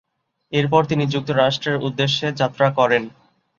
এরপর তিনি যুক্তরাষ্ট্রের উদ্দেশ্যে যাত্রা করেন।